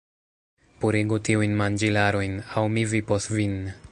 Purigu tiujn manĝilarojn! aŭ mi vipos vin!